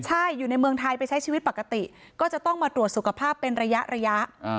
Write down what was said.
ใช่อยู่ในเมืองไทยไปใช้ชีวิตปกติก็จะต้องมาตรวจสุขภาพเป็นระยะ